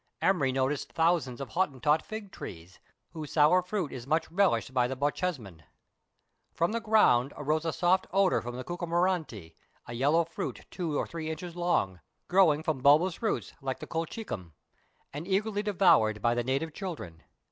Emery noticed thousands of Hottentot fig trees, whose sour fruit is much relished by the Bochjesmen. From the ground arose a soft odour from the " kucumakranti," a yellow fruit two or three inches long, growing from bulbous roots like the colchicum, and eagerly devoured by the native children.